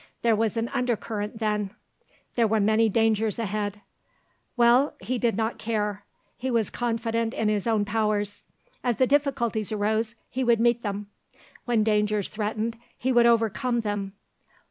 There was an undercurrent then; there were many dangers ahead. Well, he did not care; he was confident in his own powers. As the difficulties arose, he would meet them; when dangers threatened he would overcome them.